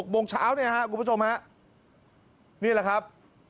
โมงเช้าเนี่ยครับคุณผู้ชมฮะนี่แหละครับ